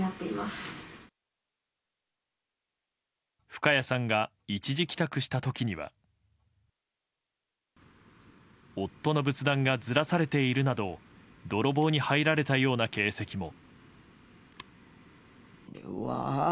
深谷さんが一時帰宅した時には夫の仏壇がずらされているなど泥棒に入られたような形跡も。